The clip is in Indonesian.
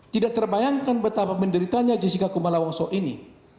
tidak terbayangkan betapa menderitanya jessica kumala wongso ini